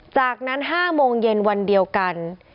จากนั้น๕โมงเย็นวันเดียวกัน